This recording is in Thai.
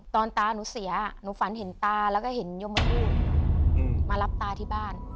ตาหนูเสียหนูฝันเห็นตาแล้วก็เห็นยมลูกมารับตาที่บ้าน